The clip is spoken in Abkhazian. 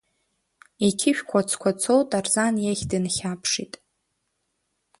Иқьышә қәацқәацо Тарзан иахь дынхьаԥшит.